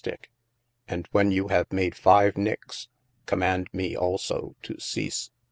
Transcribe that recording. sticke : and when you have made five nickes, commaunde mee also to cease.